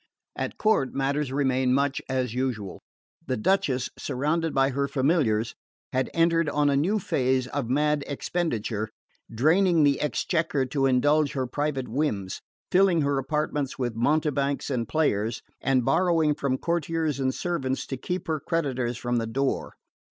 At court matters remained much as usual. The Duchess, surrounded by her familiars, had entered on a new phase of mad expenditure, draining the exchequer to indulge her private whims, filling her apartments with mountebanks and players, and borrowing from courtiers and servants to keep her creditors from the door.